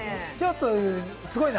すごいな！